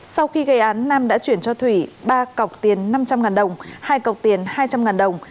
sau khi gây án nam đã chuyển cho thủy ba cọc tiền năm trăm linh đồng hai cọc tiền hai trăm linh đồng